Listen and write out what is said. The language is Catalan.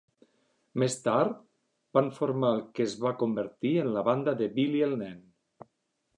Més tard van formar el que es va convertir en la banda de Billy el Nen.